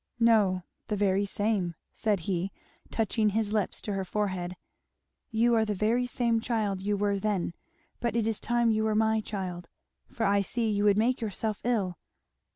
"No, the very same," said he, touching his lips to her forehead, "you are the very same child you were then; but it is time you were my child, for I see you would make yourself ill.